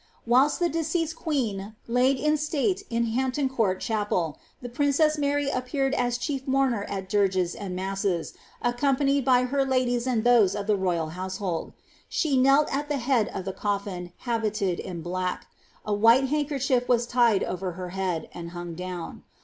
Whilst the deceased queen laid in mate in Hampton Cnnrt Chapel, i!ie princess Mary appeared as chief mourner at dirseii and masEes, accompaiiieii by her ladies and those of the royal household. She knell at the head of the collin habited in black; a white handker chief was tied over her head, and hung down.